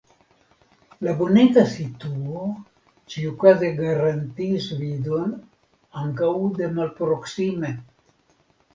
La bonega situo ĉiukaze garantiis vidon ankaŭ de malproksime.